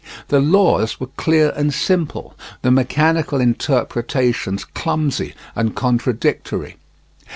The laws were clear and simple, the mechanical interpretations clumsy and contradictory.